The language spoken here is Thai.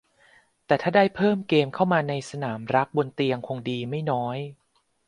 แต่ถ้าได้เพิ่มเกมเข้ามาในสนามรักบนเตียงคงดีไม่น้อย